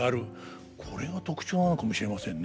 これが特徴なのかもしれませんね。